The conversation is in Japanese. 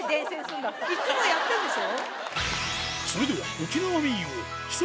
いつもやってるんでしょ？